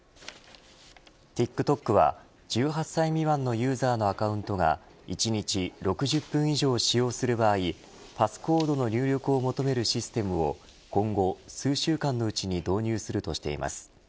ＴｉｋＴｏｋは１８歳未満のユーザーのアカウントが１日６０分以上使用する場合パスコードの入力を求めるシステムを今後数週間のうちに導入するとしています。